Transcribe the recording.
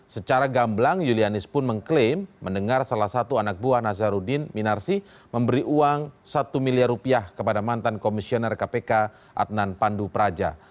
secara gamblang yulianis pun mengklaim mendengar salah satu anak buah nazarudin minarsi memberi uang satu miliar rupiah kepada mantan komisioner kpk adnan pandu praja